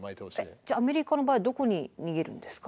えっじゃあアメリカの場合はどこに逃げるんですか？